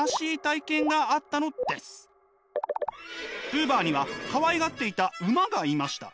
ブーバーにはかわいがっていた馬がいました。